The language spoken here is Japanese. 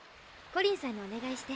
コリンさんにお願いして。